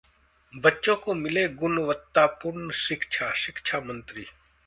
बच्चों को मिले गुणवत्तापूर्ण शिक्षा: शिक्षा मंत्री